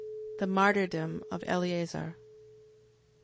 The martyrdom of Eleazar.